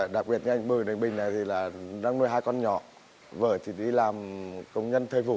đặc biệt là anh bùi đình bình đang nuôi hai con nhỏ vợ thì đi làm công nhân thuê vũ